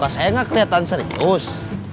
saya nggak kelihatan serius